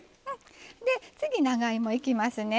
で次長芋いきますね。